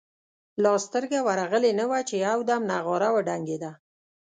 لا سترګه ورغلې نه وه چې یو دم نغاره وډنګېده.